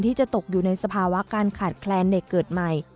ที่จะตกอยู่ในสภาวะการขาดแคลนเด็กเกิดใหม่